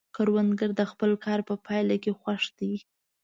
کروندګر د خپل کار په پایله کې خوښ دی